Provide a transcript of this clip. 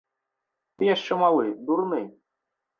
Ты яшчэ малы, дурны.